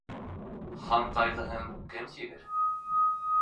Хан ҡайғыһын кем сигер?